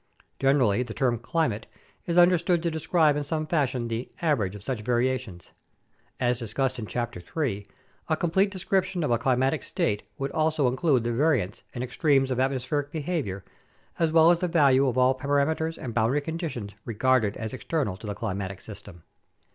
Generally the term "climate" is understood to describe in some fashion the "average" of such variations. As discussed in Chapter 3, a complete description of a climatic state would also include the variance and extremes of atmospheric behavior, as well as the values of all parameters and boundary conditions regarded as ex ternal to the climatic system.